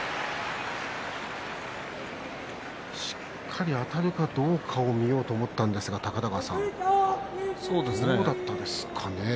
しっかり、あたるかどうかを見ようと思ったんですが高田川さん、どうだったですかね。